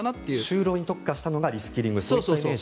就労に特化したのがリスキリング。